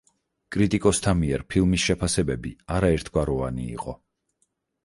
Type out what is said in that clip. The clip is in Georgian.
კრიტიკოსთა მიერ ფილმის შეფასებები არაერთგვაროვანი იყო.